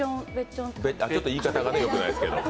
ちょっと言い方がよくないですけど。